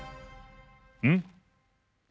うん？